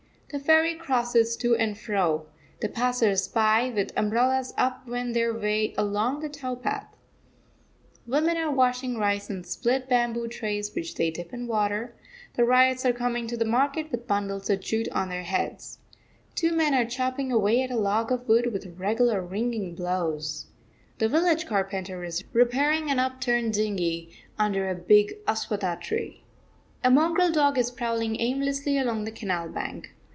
The ferry crosses to and fro, the passers by with umbrellas up wend their way along the tow path, women are washing rice on the split bamboo trays which they dip in the water, the ryots are coming to the market with bundles of jute on their heads. Two men are chopping away at a log of wood with regular, ringing blows. The village carpenter is repairing an upturned dinghy under a big aswatha tree. A mongrel dog is prowling aimlessly along the canal bank.